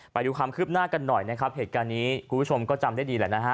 ไปดูความคืบหน้ากันหน่อยนะครับเหตุการณ์นี้คุณผู้ชมก็จำได้ดีแหละนะฮะ